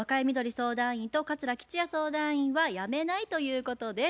相談員と桂吉弥相談員は「やめない」ということです。